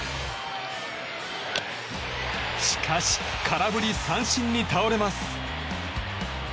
しかし、空振り三振に倒れます。